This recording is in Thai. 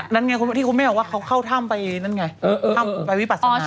นั่นไงคนพี่แม่บอกว่าเขาเข้าถ้ำไปนั่นไงวิปัสไสธาอะไรอย่างนั้นไง